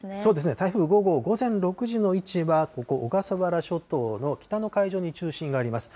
台風５号、午前６時の位置はここ、小笠原諸島の北の海上に中心があります。